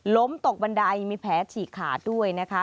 ตกบันไดมีแผลฉีกขาดด้วยนะคะ